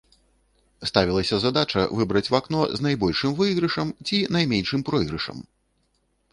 Ставілася задача выбраць вакно з найбольшым выйгрышам ці найменшым пройгрышам.